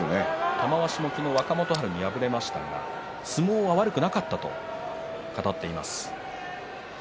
玉鷲も昨日、若元春に敗れましたが、相撲は悪くなかったと語っています。